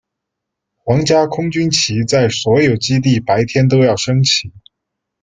皇家空军旗在所有基地白天都要升起。